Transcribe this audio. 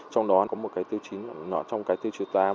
trong đó có một tiêu chí trong tiêu chí số tám